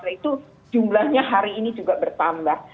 itu jumlahnya hari ini juga bertambah